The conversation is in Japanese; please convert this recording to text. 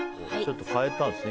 変えたんですね。